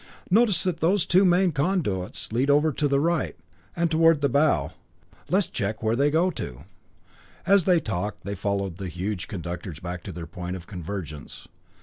Notice that those two main conduits lead over to the right, and toward the bow. Let's check where they go to." As they talked they followed the huge conductors back to their point of convergence.